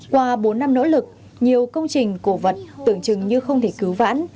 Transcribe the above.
qua bốn năm nỗ lực nhiều công trình cổ vật tưởng chừng như không thể cứu vãn